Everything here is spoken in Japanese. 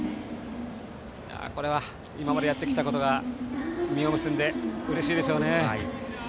これは今までやってきたことが実を結んでうれしいでしょうね。